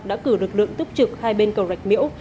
đã cử lực lượng túc trực hai bên cầu rạch miễu